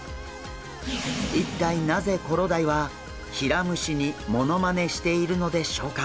一体なぜコロダイはヒラムシにモノマネしているのでしょうか。